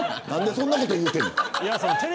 なんでそんなこと言うの。